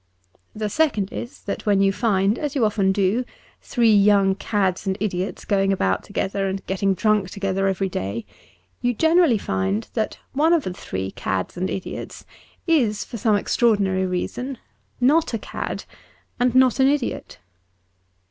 The second is that when you find (as you often do) three young cads and idiots going about together and getting drunk together every day, you generally find that one of the three cads and idiots is (for some extraordinary reason) not a cad and not an idiot.